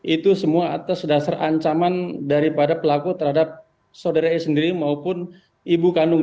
itu semua atas dasar ancaman daripada pelaku terhadap saudari e sendiri maupun ibu kandung